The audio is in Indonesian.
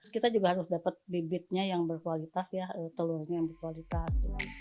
kita juga harus dapat bibitnya yang berkualitas ya telurnya yang berkualitas